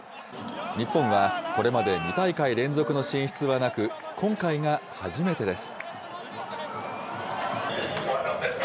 日本はこれまで２大会連続の進出はなく、今回が初めてです。